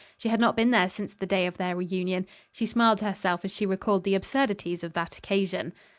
She had not been there since the day of their reunion. She smiled to herself as she recalled the absurdities of that occasion.